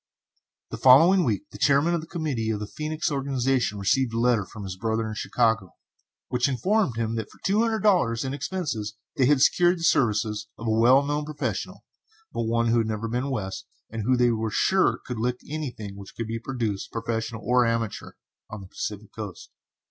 The following week the chairman of the committee of the Phœnix organization received a letter from his brother in Chicago, which informed him that for two hundred dollars, and expenses, they had secured the services of a well known professional, but one who had never been West, and who, they were sure, could "lick" anything which could be produced, professional or amateur, on the Pacific Coast.